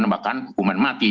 bahkan hukuman mati